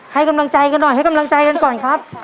ให้กำลังใจกันหน่อยให้กำลังใจกันก่อนครับ